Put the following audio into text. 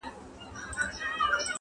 o ناسته کونه تر قاضي لا هوښياره ده.